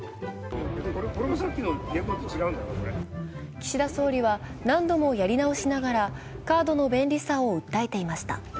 岸田総理は何度もやり直しながら、カードの便利さを訴えていました。